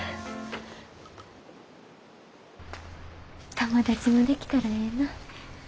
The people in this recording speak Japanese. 友達もできたらええなぁ。